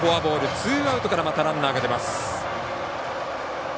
ツーアウトからまたランナーが出ます。